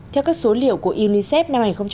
theo các số liệu của unicef